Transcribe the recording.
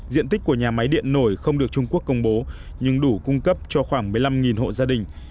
diện tích của nhà máy điện nổi không được trung quốc công bố nhưng đủ cung cấp cho khoảng một mươi năm hộ gia đình